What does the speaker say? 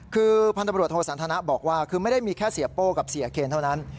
คือพันธบรวจโทสันทนะบอกว่าคือไม่ได้มีแค่เสียโป้กับเสียเคนเท่านั้น